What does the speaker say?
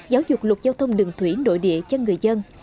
giáo dục luật giao thông đường thủy nội địa cho người dân